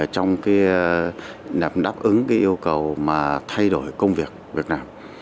trong đáp ứng cái yêu cầu mà thay đổi công việc việt nam